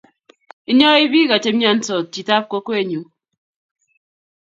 Inyoii bik chemnynsot chitap kokwenyu